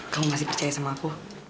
kamu masih percaya sama aku